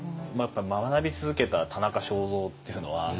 学び続けた田中正造っていうのはすごいし。